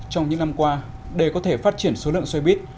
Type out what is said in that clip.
trong những năm qua để có thể phát triển số lượng xoay bít